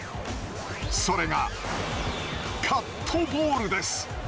それがカットボールです。